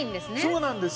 そうなんです。